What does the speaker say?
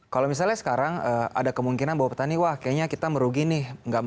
kalau misalnya sekarang ada kemungkinan bahwa petani wah kayaknya kita merugi nih